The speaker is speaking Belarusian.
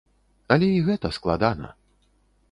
Але і гэта складана.